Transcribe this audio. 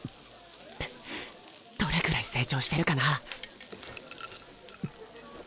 どれぐらい成長してるかなあ？